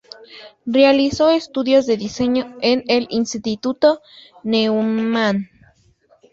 Realizó estudios de diseño en el Instituto Neumann.